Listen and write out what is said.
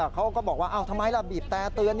เขาก็บอกว่าทำไมล่ะบีบแต่เตือน